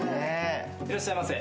いらっしゃいませ。